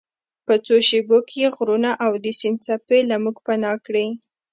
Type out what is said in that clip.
په څو شیبو کې یې غرونه او د سیند څپې له موږ پناه کړې.